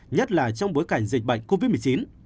nhất là trong bối cảnh dịch bệnh covid một mươi chín